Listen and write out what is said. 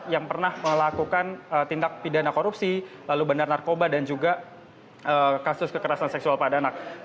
yang pernah melakukan tindak pidana korupsi lalu benar narkoba dan juga kasus kekerasan seksual pada anak